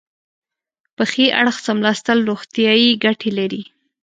په ښي اړخ څملاستل روغتیایي ګټې لري.